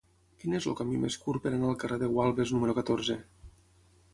Quin és el camí més curt per anar al carrer de Gualbes número catorze?